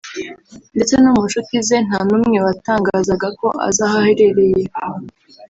ndetse no mu nshuti ze nta n’umwe watangazaga ko azi aho aherereye